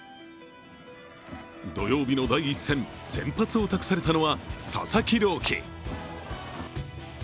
土曜日の第１戦先発を託されたのは佐々木朗希。